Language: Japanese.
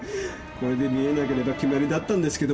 これで見えなければ決まりだったんですけどもねえ。